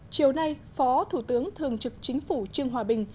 chiều nay phó thủ tướng thường trực chính phủ trương hòa bình